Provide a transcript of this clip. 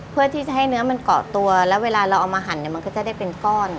เพื่อที่จะให้เนื้อมันเกาะตัวแล้วเวลาเราเอามาหั่นเนี่ยมันก็จะได้เป็นก้อน